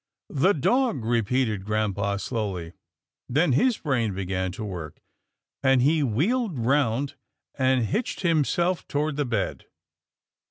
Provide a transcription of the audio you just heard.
" The dog," repeated grampa, slowly, then his brain began to work, and he wheeled round, and hitched himself toward the bed.